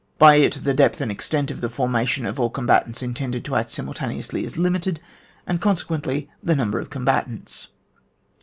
By it the depth and extent of the forma tion of all combatants intended to act simultaneously is limited, and conse quently the number of combatants.